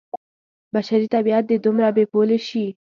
بشري طبعیت دې دومره بې پولې شي.